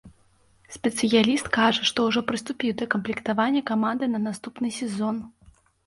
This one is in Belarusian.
Спецыяліст кажа, што ўжо прыступіў да камплектавання каманды на наступны сезон.